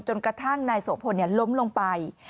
จนกระทั่งนายโสพลล้มลงไป